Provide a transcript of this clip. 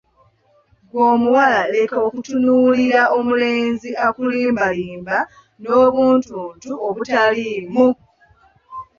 Ggwe omuwala leka kutunuulira mulenzi akulimbalimba n'obuntuntu obutaliimu!